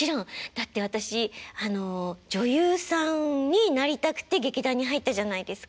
だって私あの女優さんになりたくて劇団に入ったじゃないですか。